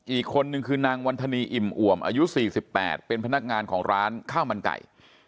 อีกคนนึงคือนางวันธนีอิ่มอ่วมอายุ๔๘เป็นพนักงานของร้านข้าวมันไก่